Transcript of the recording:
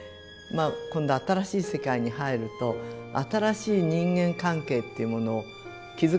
今度新しい世界に入ると新しい人間関係っていうものを築かなきゃならない。